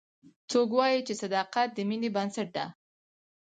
څوک وایي چې صداقت د مینې بنسټ ده